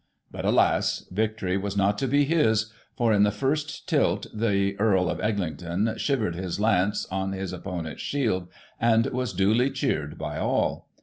But, alas! victory was not to be his, for, in the first tilt, the Earl of Eglinton shivered his lance on his opponent's shield, and was duly cheered by all.